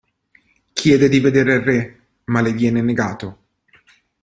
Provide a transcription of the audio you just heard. Chiede di vedere il re, ma le viene negato.